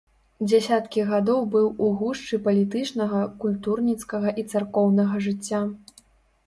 Дзясяткі гадоў быў у гушчы палітычнага, культурніцкага і царкоўнага жыцця.